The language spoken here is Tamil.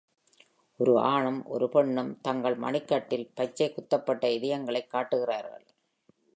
ஒரு ஆணும் ஒரு பெண்ணும் தங்கள் மணிக்கட்டில் பச்சை குத்தப்பட்ட இதயங்களைக் காட்டுகிறார்கள்